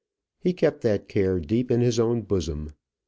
He kept that care deep in his own bosom.